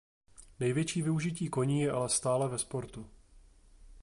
Největší využití koní je ale stále ve sportu.